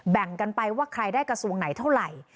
แบ่งกันไปว่าใครได้กระทรวงไหนเท่าไหร่